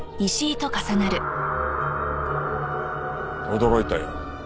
驚いたよ。